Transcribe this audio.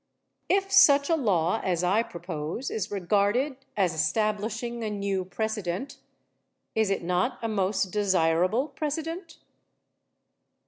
If such a law as I propose is regarded as establishing a new precedent, is it not a most desirable precedent?